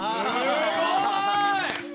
すごい！